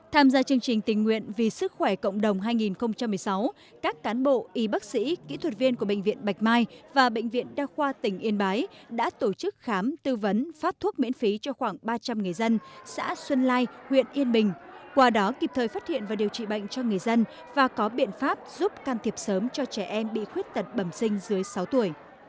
tham gia chương trình tình nguyện vì sức khỏe cộng đồng hai nghìn một mươi sáu các cán bộ y bác sĩ kỹ thuật viên của bệnh viện bạch mai và bệnh viện đa khoa tỉnh yên bái đã tổ chức khám tư vấn phát thuốc miễn phí cho khoảng ba trăm linh người dân xã xuân lai huyện yên bình qua đó kịp thời phát hiện và điều trị bệnh cho người dân và có biện pháp giúp can thiệp sớm cho trẻ em bị khuyết tật bẩm sinh dưới sáu tuổi